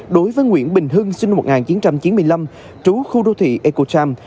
đối với nguyễn bình hưng sinh năm một nghìn chín trăm chín mươi năm trú khu đô thị ecoram